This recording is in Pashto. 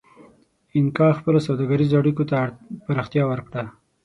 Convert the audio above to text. اینکا خپلو سوداګریزو اړیکو ته پراختیا ورکړه.